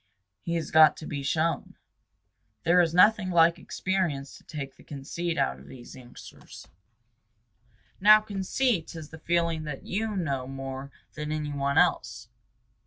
He has got to be shown. There is nothing like experience to take the conceit out of these youngsters." Now conceit is the feeling that you know more than any one else.